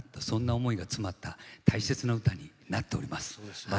そんな思いが詰まった大切な歌になっております。